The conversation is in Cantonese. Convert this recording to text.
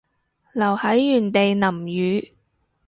留喺原地淋雨